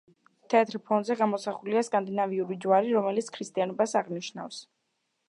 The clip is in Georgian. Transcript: თეთრ ფონზე გამოსახულია სკანდინავიური ჯვარი, რომელიც ქრისტიანობას აღნიშნავს.